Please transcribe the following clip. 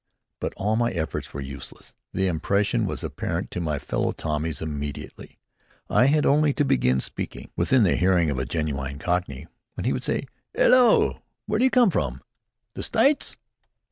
But all my efforts were useless. The imposition was apparent to my fellow Tommies immediately. I had only to begin speaking, within the hearing of a genuine Cockney, when he would say, "'Ello! w'ere do you come from? The Stites?"